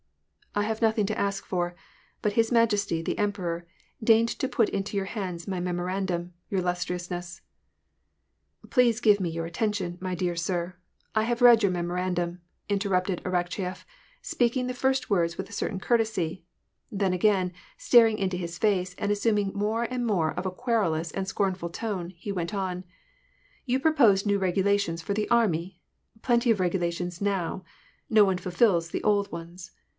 " I haye nothing to ask for ; but his majesty, the emperor, deigned to put into your hands my Memorandum, your illus triousness "—" Please giye me your attention, my dear sir : I haye read your Memorandum," interrupted Arakcheyef, speaking the first words with a certain courtesy ; then again, staring into his face, and assuming more and more of a querulous and scornful tone, he went on, " You propose new regulations for the army? Plenty of regulations now. No one fulfils the old ones.